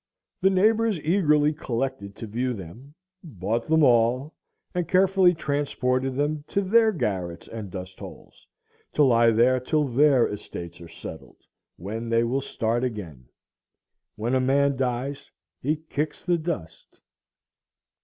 The neighbors eagerly collected to view them, bought them all, and carefully transported them to their garrets and dust holes, to lie there till their estates are settled, when they will start again. When a man dies he kicks the dust.